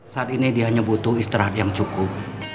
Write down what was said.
saat ini dia hanya butuh istirahat yang cukup